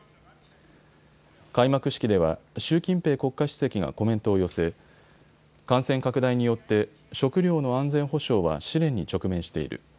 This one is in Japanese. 開幕式では習近平国家主席がコメントを寄せ感染拡大によって食料の安全保障は試練に直面している。